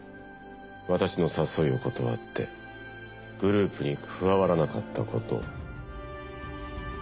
私の誘いを断ってグループに加わらなかったことを。